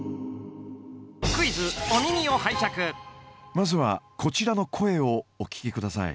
まずはこちらの声をお聞きください。